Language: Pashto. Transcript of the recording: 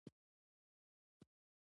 ادارې باید حساب ورکونې ته چمتو وي